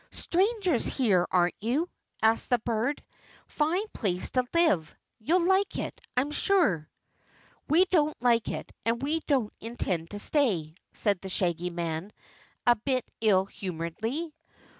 "Strangers here, aren't you?" asked the bird. "Fine place to live. You'll like it, I'm sure." "We don't like it and we don't intend to stay," said the Shaggy Man, a bit ill humoredly.